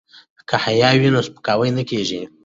که حیا وي نو سپکاوی نه کیږي.